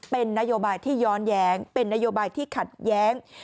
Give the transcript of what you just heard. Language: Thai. เป็นนโยบายที่ย้อนแย้งเป็นนโยบายที่ขัดแย้ง